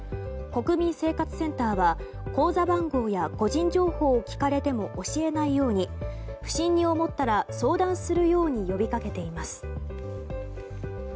国民生活センターは口座番号や個人情報を聞かれても教えないように不審に思ったら相談するように呼びかけています。